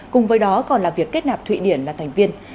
cùng với đó còn là việc kết nạp thụy điển là thành viên